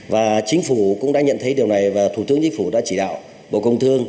và chính phủ cũng đã nhận thấy điều này và thủ tướng chính phủ đã chỉ đạo bộ công thương